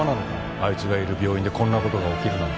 あいつがいる病院でこんな事が起きるなんて。